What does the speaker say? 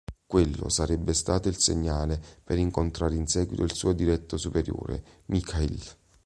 Quello sarebbe stato il segnale per incontrare in seguito il suo diretto superiore, "Mikhail".